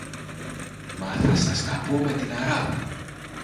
Μα θα σας τα πω με την αράδα.